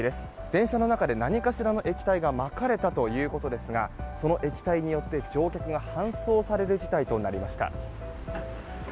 電車の中で何かしらの液体がまかれたということですがその液体によって乗客が搬送される事態となりました。